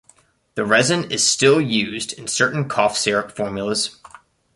The resin is still used in certain cough syrup formulas.